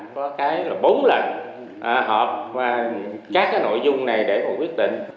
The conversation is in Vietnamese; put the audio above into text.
có cái là bốn lần họp các cái nội dung này để mà quyết định